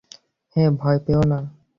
হেই- ভয় পেয়ো না!